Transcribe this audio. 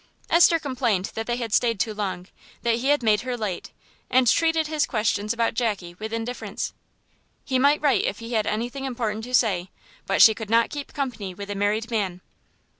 Esther complained that they had stayed too long, that he had made her late, and treated his questions about Jackie with indifference. He might write if he had anything important to say, but she could not keep company with a married man.